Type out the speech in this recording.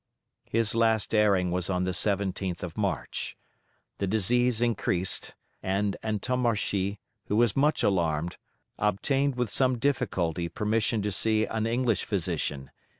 His last airing was on the 17th of March. The disease increased, and Antommarchi, who was much alarmed, obtained with some difficulty permission to see an English physician.